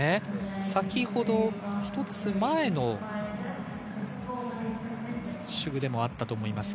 先ほど一つ前の手具でもあったと思います。